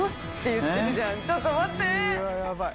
ちょっと待って。